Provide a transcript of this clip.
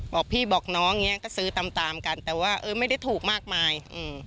บอกพี่บอกน้องอย่างเงี้ยก็ซื้อตามตามกันแต่ว่าเออไม่ได้ถูกมากมายอืม